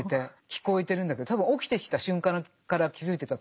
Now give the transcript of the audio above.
聞こえてるんだけど多分起きてきた瞬間から気付いてたと思うんですけどね